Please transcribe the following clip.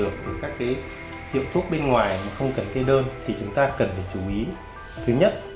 các thuốc tây thì chúng ta nên